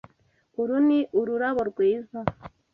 Uru ni ururabo rwiza.